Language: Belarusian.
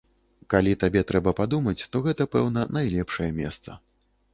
Калі табе трэба падумаць, то гэта, пэўна, найлепшае месца.